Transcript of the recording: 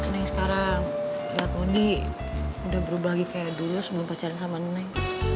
neng sekarang liat mondi udah berubah kayak dulu sebelum pacaran sama neng